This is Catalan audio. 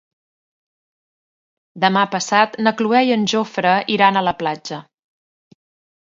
Demà passat na Cloè i en Jofre aniran a la platja.